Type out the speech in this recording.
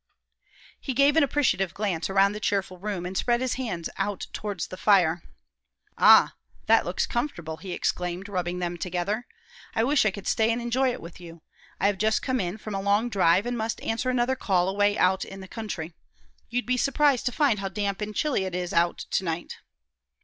He gave an appreciative glance around the cheerful room, and spread his hands out towards the fire. "Ah, that looks comfortable!" he exclaimed, rubbing them together. "I wish I could stay and enjoy it with you. I have just come in from a long drive, and must answer another call away out in the country. You'd be surprised to find how damp and chilly it is out to night."